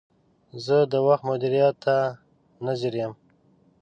زه د وخت مدیریت ته نه ځیر یم.